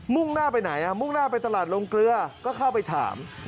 ่งหน้าไปไหนมุ่งหน้าไปตลาดลงเกลือก็เข้าไปถาม